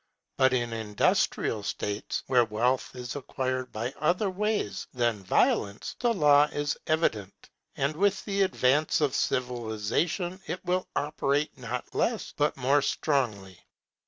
But in industrial states, where wealth is acquired by other ways than violence, the law is evident. And with the advance of civilization it will operate not less, but more strongly.